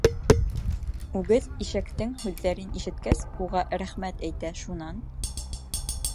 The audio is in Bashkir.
Үгеҙ ишәктең һүҙҙәрен ишеткәс, уға рәхмәт әйтә, шунан: